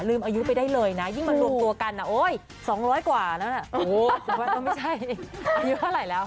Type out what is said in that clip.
ลืมอายุไปได้เลยนะยิ่งมันรวบตัวกันอ่ะโอ้ย๒๐๐กว่าแล้วน่ะโอ้โหสมมติว่าไม่ใช่อายุเท่าไหร่แล้ว